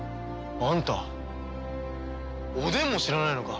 あんたおでんも知らないのか。